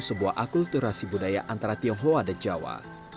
sebuah akulturasi budaya antara tionghoa dan jawa